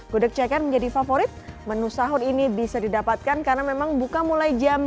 gudeg ceker menjadi favorit menu sahur ini bisa didapatkan karena memang buka mulai jam dua